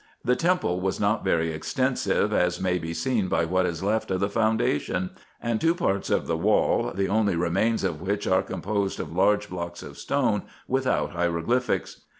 The temple was not very extensive, as may be seen by what is left of the foundation ; and two parts of the wall, the only remains of which are composed of large blocks of stone, without hieroglyphics.